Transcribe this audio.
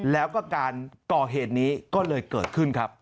แล้วก็การก่อเหตุนี้ก็เลยเกิดขึ้นครับ